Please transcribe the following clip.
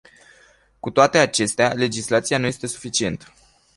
Cu toate acestea, legislația nu este suficientă.